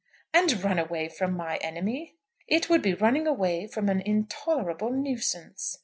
"And run away from my enemy?" "It would be running away from an intolerable nuisance."